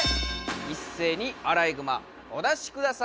いっせいにアライグマお出しください。